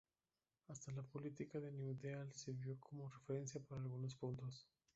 Hasta la política del New Deal sirvió como referencia para algunos puntos.